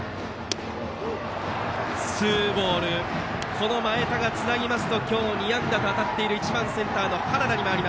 この前田がつなぎますと今日、２安打と当たっている１番センター、原田。